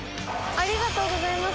ありがとうございます。